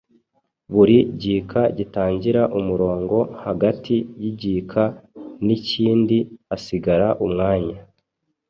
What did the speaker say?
Buri gika gitangira umurongo. Hagati y’igika n’ikindi hasigara umwanya